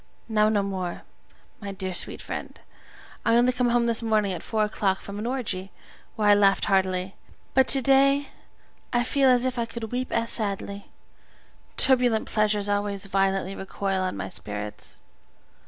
Now no more, my dear sweet friend! I only came home this morning at four o'clock from an orgy, where I laughed heartily, but to day I feel as if I could weep as sadly; turbulent pleasures always violently recoil on my spirits.